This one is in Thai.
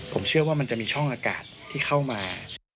ผมเชื่อว่ามันจะมีช่องอากาศที่เข้ามา